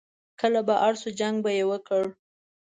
کله به اړ شو، جنګ به یې وکړ.